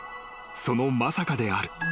そのまさかである］